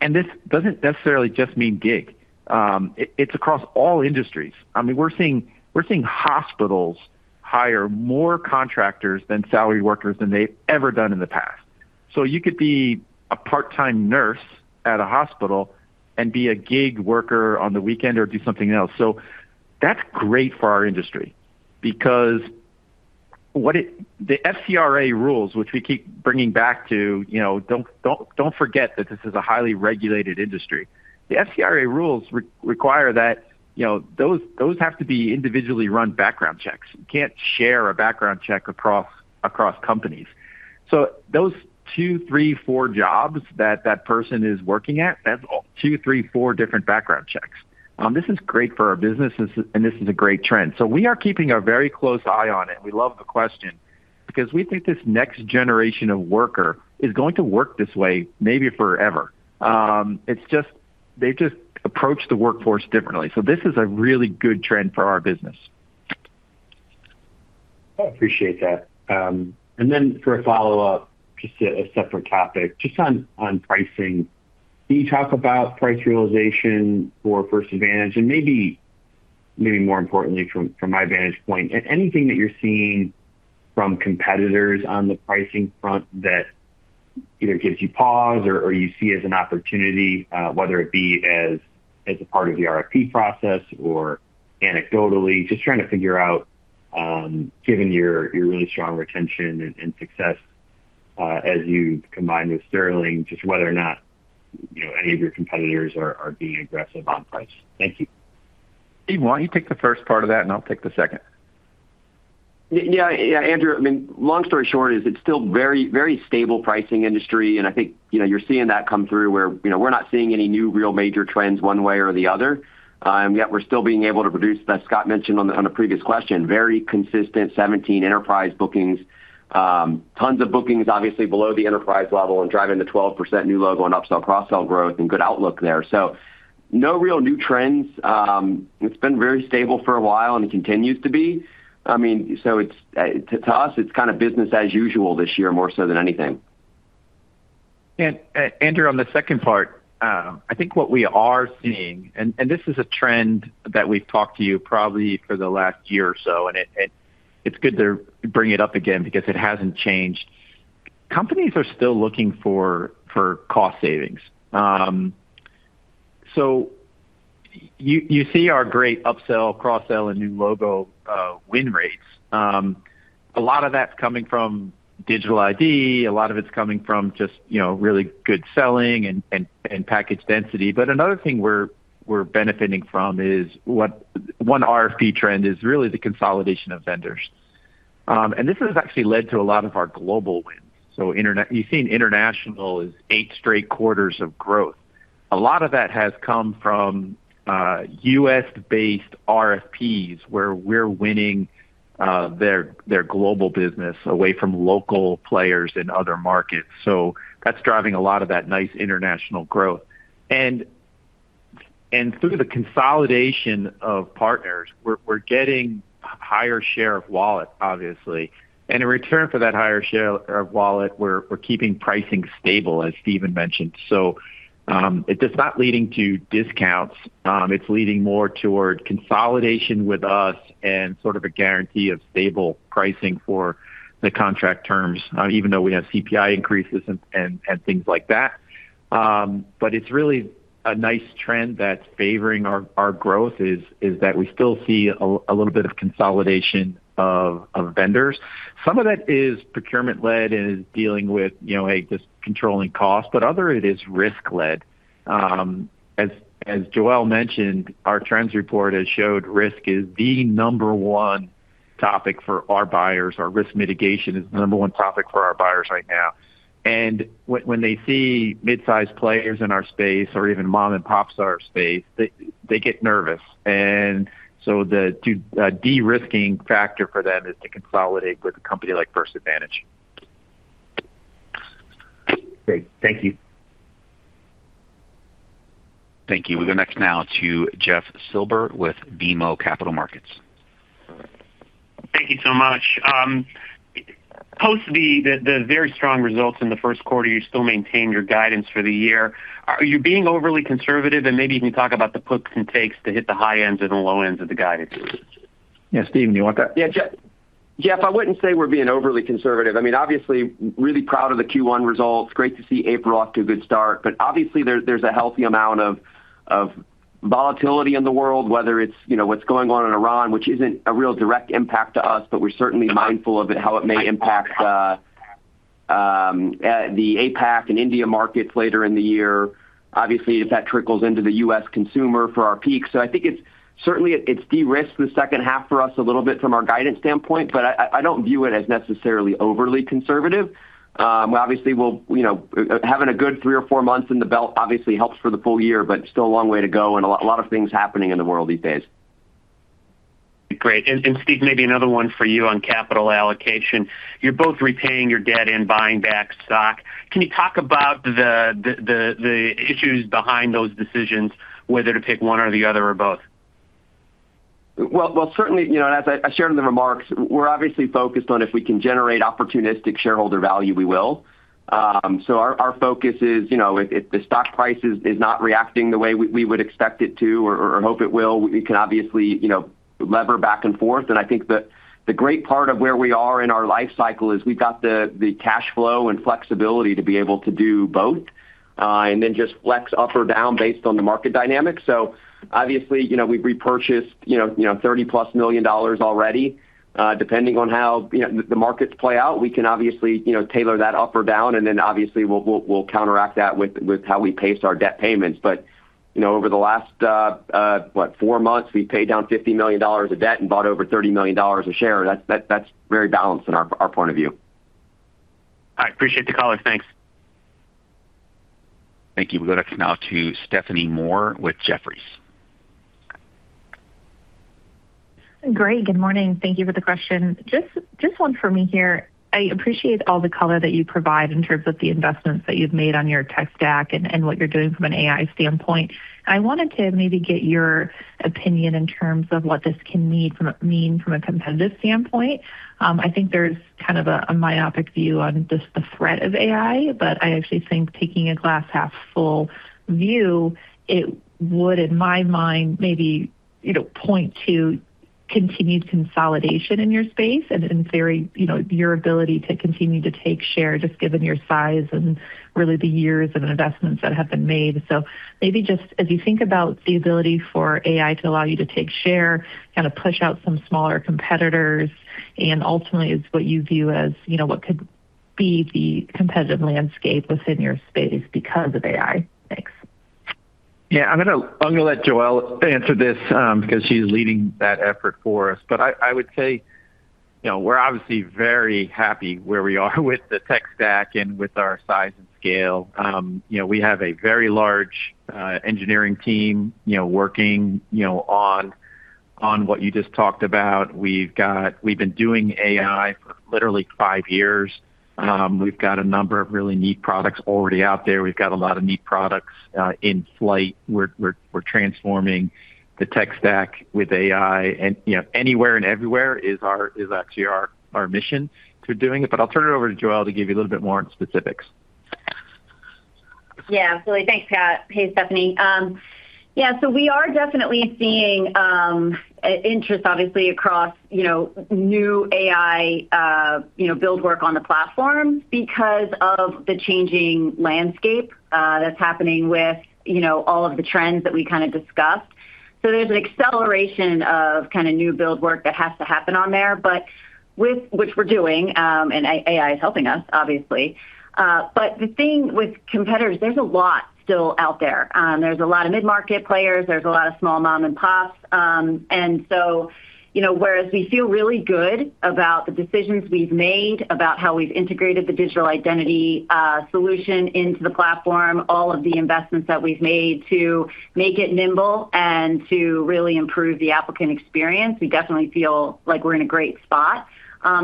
This doesn't necessarily just mean gig. It's across all industries. I mean, we're seeing hospitals hire more contractors than salaried workers than they've ever done in the past. You could be a part-time nurse at a hospital and be a gig worker on the weekend or do something else. That's great for our industry because the FCRA rules, which we keep bringing back to, you know, don't forget that this is a highly regulated industry. The FCRA rules re-require that, you know, those have to be individually run background checks. You can't share a background check across companies. Those two, three, four jobs that that person is working at, that's two, three, four different background checks. This is great for our business, this is a great trend. We are keeping a very close eye on it. We love the question because we think this next generation of worker is going to work this way maybe forever. It's just they just approach the workforce differently. This is a really good trend for our business. I appreciate that. Then for a follow-up, just a separate topic, just on pricing. Can you talk about price realization for First Advantage? Maybe more importantly from my vantage point, anything that you're seeing from competitors on the pricing front that either gives you pause or you see as an opportunity, whether it be as a part of the RFP process or anecdotally, just trying to figure out, given your really strong retention and success, as you combine with Sterling, just whether or not, you know, any of your competitors are being aggressive on price. Thank you. Steve, why don't you take the first part of that and I'll take the second? Yeah, yeah, Andrew, I mean, long story short is it's still very, very stable pricing industry, and I think, you know, you're seeing that come through where, you know, we're not seeing any new real major trends one way or the other. Yet we're still being able to produce, as Scott mentioned on the previous question, very consistent 17 enterprise bookings. Tons of bookings obviously below the enterprise level and driving the 12% new logo and upsell, cross-sell growth and good outlook there. No real new trends. It's been very stable for a while and continues to be. I mean, it's to us, it's kind of business as usual this year more so than anything. Andrew, on the second part, I think what we are seeing, and this is a trend that we've talked to you probably for the last year or so, and it's good to bring it up again because it hasn't changed. Companies are still looking for cost savings. You see our great upsell, cross-sell, and new logo win rates. A lot of that's coming from digital ID, a lot of it's coming from just, you know, really good selling and package density. Another thing we're benefiting from is what one RFP trend is really the consolidation of vendors. This has actually led to a lot of our global wins. You've seen international is eight straight quarters of growth. A lot of that has come from U.S.-based RFPs, where we're winning their global business away from local players in other markets. That's driving a lot of that nice international growth. Through the consolidation of partners, we're getting higher share of wallet, obviously. In return for that higher share of wallet, we're keeping pricing stable, as Steven mentioned. It's not leading to discounts. It's leading more toward consolidation with us and sort of a guarantee of stable pricing for the contract terms, even though we have CPI increases and things like that. It's really a nice trend that's favoring our growth, that we still see a little bit of consolidation of vendors. Some of that is procurement led and is dealing with, you know, like, just controlling costs, other is risk led. As Joelle mentioned, our Trends report has showed risk is the number one topic for our buyers, or risk mitigation is the number one topic for our buyers right now. When they see mid-sized players in our space or even mom-and-pops in our space, they get nervous. So the de-risking factor for them is to consolidate with a company like First Advantage. Great. Thank you. Thank you. We go next now to Jeff Silber with BMO Capital Markets. Thank you so much. Post the very strong results in the first quarter, you still maintain your guidance for the year. Are you being overly conservative? Maybe you can talk about the puts and takes to hit the high ends and the low ends of the guidance. Yeah, Steven, you want that? Jeff, I wouldn't say we're being overly conservative. I mean, obviously, really proud of the Q1 results. Great to see April off to a good start. Obviously, there's a healthy amount of volatility in the world, whether it's, you know, what's going on in Iran, which isn't a real direct impact to us, but we're certainly mindful of it, how it may impact the APAC and India markets later in the year. Obviously, if that trickles into the U.S. consumer for our peak. I think it's certainly, it's de-risked the second half for us a little bit from our guidance standpoint, but I don't view it as necessarily overly conservative. Obviously, we'll, you know, having a good three or four months in the belt obviously helps for the full year, but still a long way to go and a lot of things happening in the world these days. Great. Steve, maybe another one for you on capital allocation. You're both repaying your debt and buying back stock. Can you talk about the issues behind those decisions, whether to pick one or the other or both? Well, certainly, you know, as I shared in the remarks, we're obviously focused on if we can generate opportunistic shareholder value, we will. Our focus is, you know, if the stock price is not reacting the way we would expect it to or hope it will, we can obviously, you know, lever back and forth. I think the great part of where we are in our life cycle is we've got the cash flow and flexibility to be able to do both, and then just flex up or down based on the market dynamics. Obviously, you know, we've repurchased $30+ million already. Depending on how, you know, the markets play out, we can obviously, you know, tailor that up or down, and then obviously we'll counteract that with how we pace our debt payments. You know, over the last, what, four months, we've paid down $50 million of debt and bought over $30 million a share. That's very balanced in our point of view. I appreciate the color. Thanks. Thank you. We'll go next now to Stephanie Moore with Jefferies. Great. Good morning. Thank you for the question. Just one for me here. I appreciate all the color that you provide in terms of the investments that you've made on your tech stack and what you're doing from an AI standpoint. I wanted to maybe get your opinion in terms of what this can mean from a competitive standpoint. I think there's kind of a myopic view on just the threat of AI, but I actually think taking a glass-half-full view, it would, in my mind, maybe, you know, point to continued consolidation in your space and in theory, you know, your ability to continue to take share just given your size and really the years of investments that have been made. Maybe just as you think about the ability for AI to allow you to take share, kinda push out some smaller competitors, and ultimately it's what you view as, you know, what could be the competitive landscape within your space because of AI. Thanks. I'm gonna let Joelle answer this, because she's leading that effort for us. I would say, you know, we're obviously very happy where we are with the tech stack and with our size and scale. You know, we have a very large engineering team, you know, working, you know, on what you just talked about. We've been doing AI for literally five years. We've got a number of really neat products already out there. We've got a lot of neat products in flight. We're transforming the tech stack with AI and, you know, anywhere and everywhere is actually our mission to doing it. I'll turn it over to Joelle to give you a little bit more on specifics. Absolutely. Thanks, Scott. Hey, Stephanie. We are definitely seeing interest obviously across, you know, new AI, you know, build work on the platform because of the changing landscape that's happening with, you know, all of the trends that we kinda discussed. There's an acceleration of kinda new build work that has to happen on there, which we're doing, and AI is helping us, obviously. The thing with competitors, there's a lot still out there. There's a lot of mid-market players, there's a lot of small mom-and-pops. You know, whereas we feel really good about the decisions we've made, about how we've integrated the digital identity solution into the platform, all of the investments that we've made to make it nimble and to really improve the applicant experience, we definitely feel like we're in a great spot.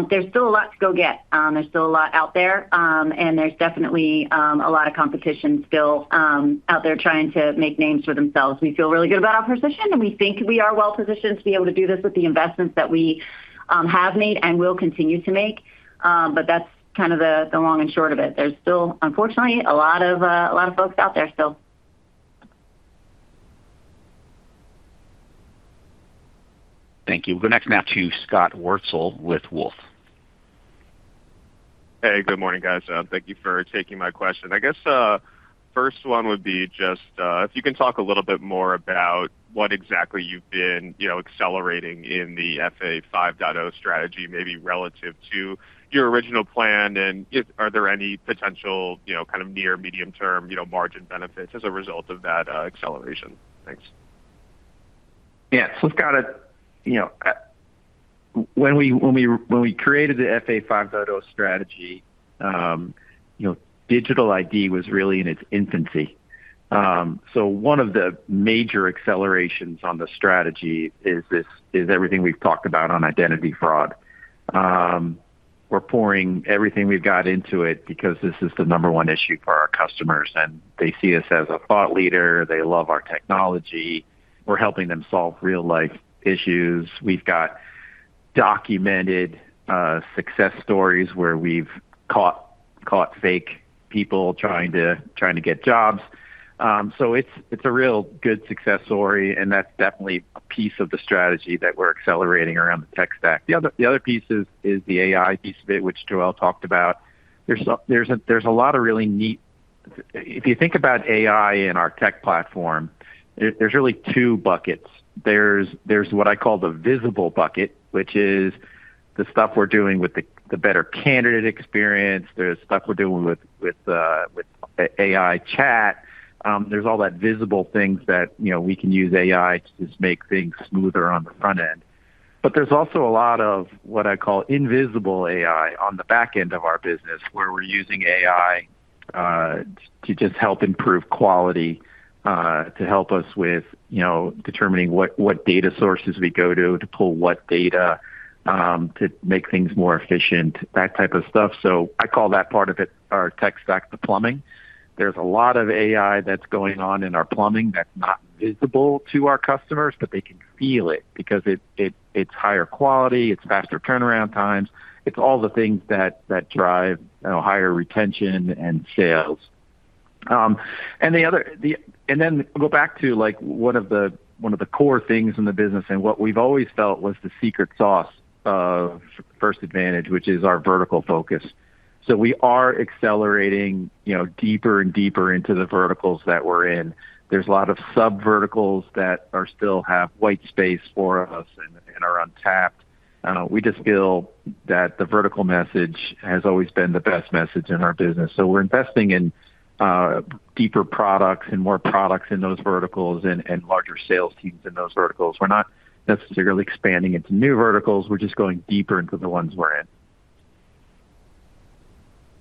There's still a lot to go get. There's still a lot out there. There's definitely a lot of competition still out there trying to make names for themselves. We feel really good about our position, and we think we are well-positioned to be able to do this with the investments that we have made and will continue to make. That's kind of the long and short of it. There's still, unfortunately, a lot of folks out there still. Thank you. We'll go next now to Scott Wurtzel with Wolfe. Hey, good morning, guys. Thank you for taking my question. I guess, first one would be just, if you can talk a little bit more about what exactly you've been, you know, accelerating in the FA 5.0 strategy, maybe relative to your original plan. If are there any potential, you know, kind of near medium-term, you know, margin benefits as a result of that acceleration? Thanks. Yeah. Scott, you know, when we created the FA 5.0 strategy, you know, digital ID was really in its infancy. One of the major accelerations on the strategy is this, is everything we've talked about on identity fraud. We're pouring everything we've got into it because this is the number one issue for our customers, and they see us as a thought leader. They love our technology. We're helping them solve real-life issues. We've got documented success stories where we've caught fake people trying to get jobs. It's a real good success story, and that's definitely a piece of the strategy that we're accelerating around the tech stack. The other piece is the AI piece of it, which Joelle talked about. There's a lot of really neat if you think about AI in our tech platform, there's really two buckets. There's what I call the visible bucket, which is the stuff we're doing with the better candidate experience. There's stuff we're doing with AI chat. There's all that visible things that, you know, we can use AI to just make things smoother on the front end. There's also a lot of what I call invisible AI on the back end of our business, where we're using AI to just help improve quality, to help us with, you know, determining what data sources we go to to pull what data, to make things more efficient, that type of stuff. I call that part of it our tech stack, the plumbing. There's a lot of AI that's going on in our plumbing that's not visible to our customers, but they can feel it because it's higher quality. It's faster turnaround times. It's all the things that drive, you know, higher retention and sales. Go back to, like, one of the core things in the business and what we've always felt was the secret sauce of First Advantage, which is our vertical focus. We are accelerating, you know, deeper and deeper into the verticals that we're in. There's a lot of sub-verticals that are still have white space for us and are untapped. We just feel that the vertical message has always been the best message in our business. We're investing in deeper products and more products in those verticals and larger sales teams in those verticals. We're not necessarily expanding into new verticals. We're just going deeper into the ones we're in.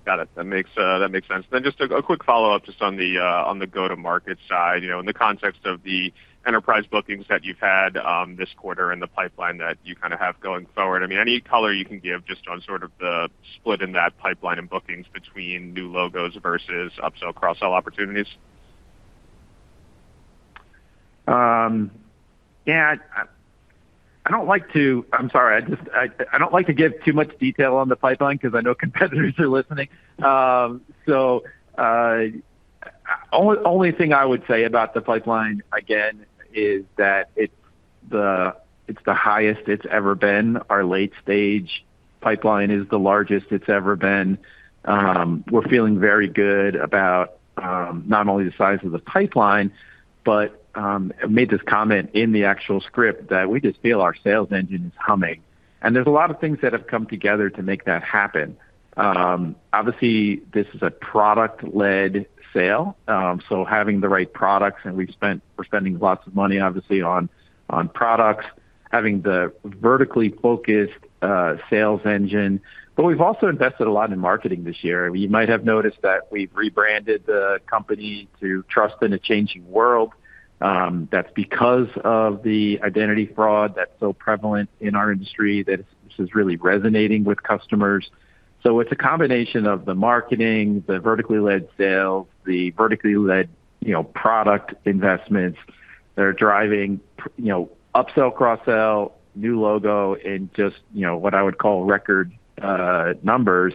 Got it. That makes sense. Then just a quick follow-up just on the go-to-market side, you know, in the context of the enterprise bookings that you've had, this quarter and the pipeline that you kind of have going forward. I mean, any color you can give just on sort of the split in that pipeline and bookings between new logos versus upsell, cross-sell opportunities? Yeah. I don't like to give too much detail on the pipeline because I know competitors are listening. Only thing I would say about the pipeline again is that it's the highest it's ever been. Our late-stage pipeline is the largest it's ever been. We're feeling very good about not only the size of the pipeline, but I made this comment in the actual script that we just feel our sales engine is humming. There's a lot of things that have come together to make that happen. Obviously, this is a product-led sale, so having the right products, and we're spending lots of money, obviously, on products, having the vertically focused sales engine. We've also invested a lot in marketing this year. You might have noticed that we've rebranded the company to Trust in a Changing World. That's because of the identity fraud that's so prevalent in our industry that this is really resonating with customers. It's a combination of the marketing, the vertically led sales, the vertically led, you know, product investments that are driving, you know, upsell, cross-sell, new logo in just, you know, what I would call record numbers.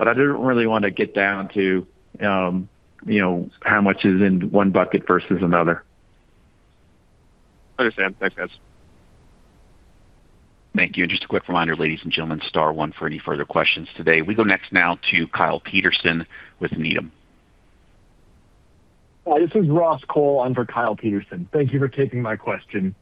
I didn't really wanna get down to, you know, how much is in one bucket versus another. Understand. Thanks, guys. Thank you. Just a quick reminder, ladies and gentlemen, star one for any further questions today. We go next now to Kyle Peterson with Needham. Hi, this is Ross Cole in for Kyle Peterson. Thank you for taking my question.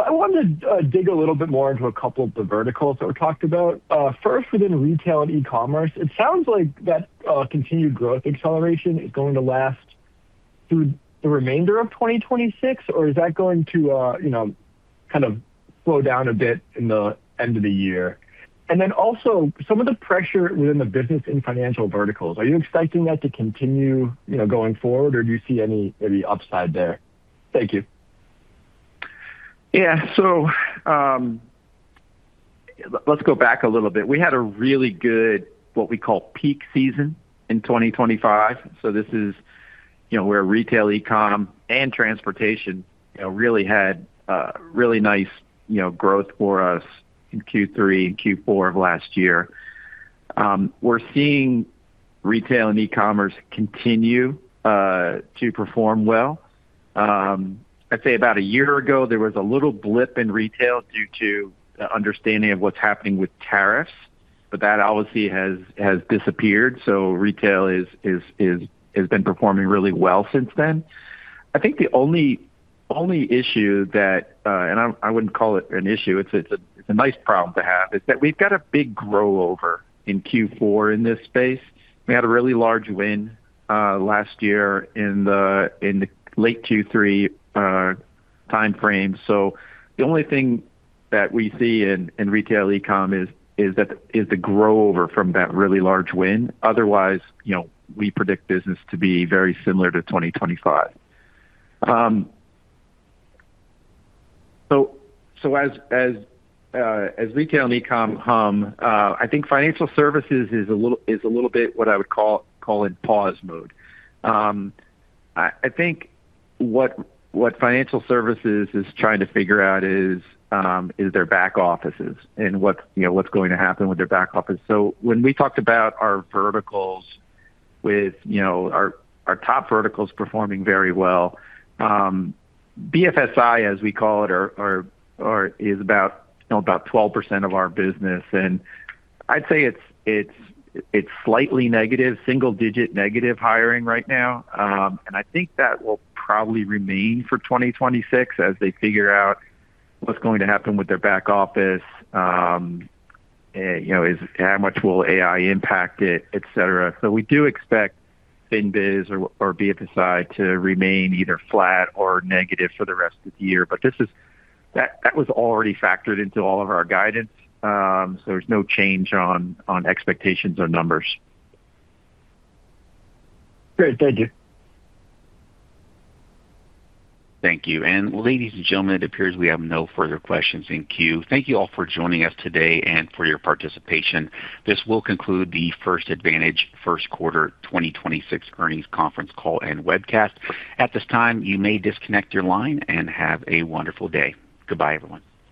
I wanted to dig a little bit more into a couple of the verticals that were talked about. First within retail and e-commerce, it sounds like that continued growth acceleration is going to last through the remainder of 2026, or is that going to, you know, kind of slow down a bit in the end of the year? Also some of the pressure within the business and financial verticals, are you expecting that to continue, you know, going forward, or do you see any upside there? Thank you. Yeah. Let's go back a little bit. We had a really good, what we call peak season in 2025. This is, you know, where retail e-com and transportation, you know, really had really nice, you know, growth for us in Q3 and Q4 of last year. We're seeing retail and e-commerce continue to perform well. I'd say about a year ago, there was a little blip in retail due to understanding of what's happening with tariffs, but that obviously has disappeared. Retail has been performing really well since then. I think the only issue that, and I wouldn't call it an issue, it's a nice problem to have, is that we've got a big grow over in Q4 in this space. We had a really large win last year in the late Q3 timeframe. The only thing that we see in retail e-com is the grow over from that really large win. Otherwise, you know, we predict business to be very similar to 2025. As retail and e-com hum, I think financial services is a little bit what I would call it pause mode. I think what financial services is trying to figure is their back offices and what, you know, what's going to happen with their back office. When we talked about our verticals with, you know, our top verticals performing very well, BFSI, as we call it, is about, you know, about 12% of our business. I'd say it's slightly negative, single-digit negative hiring right now. I think that will probably remain for 2026 as they figure out what's going to happen with their back office. You know, is how much will AI impact it, et cetera. We do expect FinBiz] or BFSI to remain either flat or negative for the rest of the year. This is that was already factored into all of our guidance. There's no change on expectations or numbers. Great. Thank you. Thank you. Ladies and gentlemen, it appears we have no further questions in queue. Thank you all for joining us today and for your participation. This will conclude the First Advantage first quarter 2026 earnings conference call and webcast. At this time, you may disconnect your line and have a wonderful day. Goodbye, everyone.